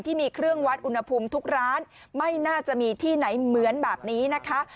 ที่มีเครื่องวัดอุณหภูมิทุกร้านไม่น่าจะมีที่ไหนเหมือนแบบนี้นะคะ